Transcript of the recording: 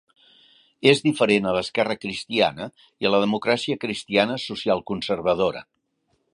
És diferent a l'esquerra cristiana i a la democràcia cristiana social-conservadora.